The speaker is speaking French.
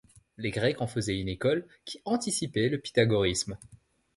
Les Grecs en faisaient une école, qui anticipait le pythagorisme.